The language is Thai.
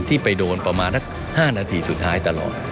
ไปโดนประมาณนัก๕นาทีสุดท้ายตลอด